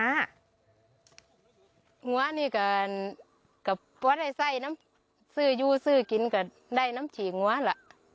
หัวนี่ก็กับวัดได้ไส้น้ำซื้อยูซื้อกินก็ได้น้ำฉีกหัวล่ะ